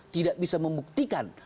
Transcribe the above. tidak bisa membuktikan